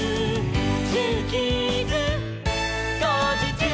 「ジューキーズ」「こうじちゅう！」